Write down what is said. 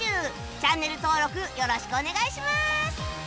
チャンネル登録よろしくお願いします！